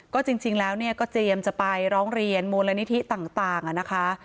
ก็จริงแล้วก็เตรียมจะไปร้องเรียนมูลนิธิต่างนะคะ